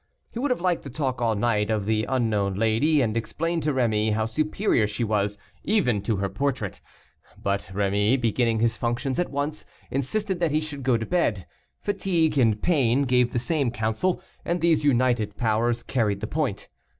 He would have liked to talk all night of the unknown lady, and explain to Rémy how superior she was even to her portrait; but Rémy, beginning his functions at once, insisted that he should go to bed: fatigue and pain gave the same counsel and these united powers carried the point.